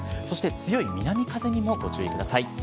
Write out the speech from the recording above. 強い南風にもご注意ください。